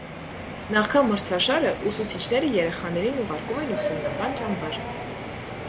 Նախքան մրցաշարը ուսուցիչները երեխաներին ուղարկում են ուսումնական ճամբար։